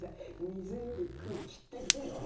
水より空気って。